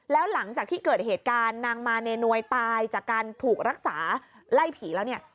แล้วหลังจากที่เกิดเหตุการณ์นางมาเนนวยตายจากการถูกรักษาไล่ผีแล้วเนี่ย